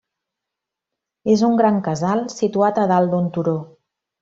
És un gran casal situat a dalt d'un turó.